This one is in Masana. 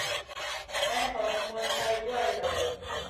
Nay hog mul hay duwayda.